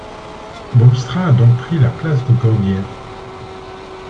Boomstra a donc pris la place de Georgiev.